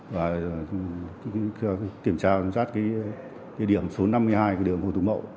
và kiểm tra giám sát địa điểm số năm mươi hai của đường hồ tùng mậu